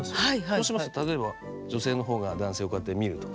そうしますと例えば女性の方が男性をこうやって見るとか。